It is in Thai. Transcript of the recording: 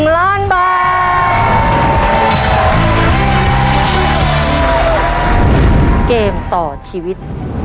๑ล้านบาท